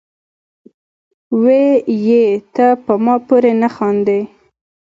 وې ئې " تۀ پۀ ما پورې نۀ خاندې،